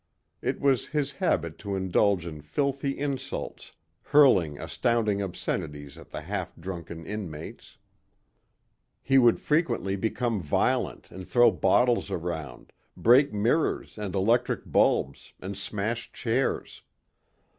It was his habit to indulge in filthy insults, hurling astounding obscenities at the half drunken inmates. He would frequently become violent and throw bottles around, break mirrors and electric bulbs and smash chairs.